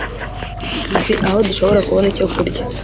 nzi aho dushobora kubona icyo kurya